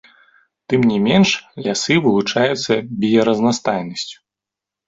Тым не менш, лясы вылучаюцца біяразнастайнасцю.